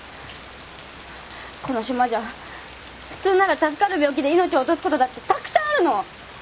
この島じゃ普通なら助かる病気で命を落とすことだってたくさんあるの。